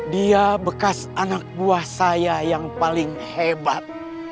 dia bekas anak buah saya yang paling hebat